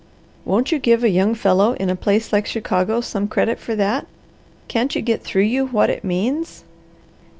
Won't you give a young fellow in a place like Chicago some credit for that? Can't you get through you what it means?"